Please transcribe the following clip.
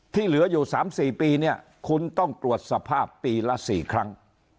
เหลืออยู่๓๔ปีเนี่ยคุณต้องตรวจสภาพปีละ๔ครั้ง